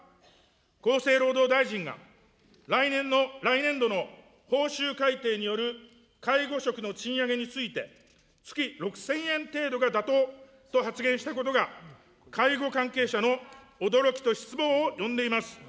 厚生労働大臣が来年度の報酬改定による介護職の賃上げについて、月６０００円程度が妥当と発言したことが、介護関係者の驚きと失望を呼んでいます。